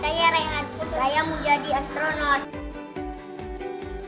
saya reyhan saya mau jadi astronot